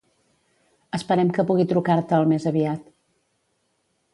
Esperem que pugui trucar-te al més aviat.